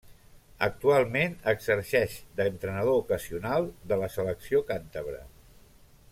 Actualment exerceix d'entrenador ocasional de la selecció càntabra.